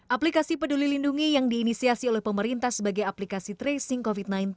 aplikasi peduli lindungi yang diinisiasi oleh pemerintah sebagai aplikasi tracing covid sembilan belas